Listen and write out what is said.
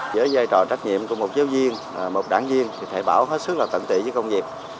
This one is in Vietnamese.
giới giai trò trách nhiệm của một giáo viên một đảng viên thì thầy bảo hết sức là tận tị với công việc